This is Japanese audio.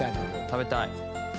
「食べたい」